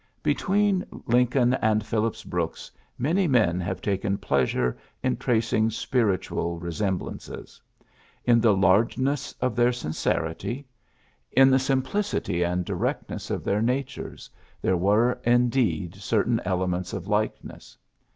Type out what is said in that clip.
^' Between Lincoln and Phillips Brooks many men have taken pleasure in trac ing spiritual resemblances. In the largeness of their sincerity, in the sim 30 PHILLIPS BROOKS plicity and directness of their natures, there were indeed certain elements of likeness.